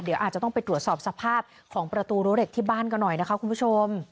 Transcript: เดี๋ยวอาจจะต้องไปตรวจสอบสภาพของประตูรั้วเหล็กที่บ้านกันหน่อยนะคะคุณผู้ชม